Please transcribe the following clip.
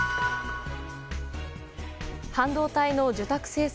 半導体の受託生産